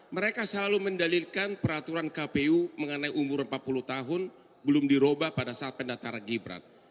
mereka selalu mendalilkan peraturan kpu mengenai umur empat puluh tahun belum dirubah pada saat pendataran gibran